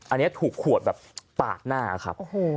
อันนี้ถูกขวดแบบปากหน้า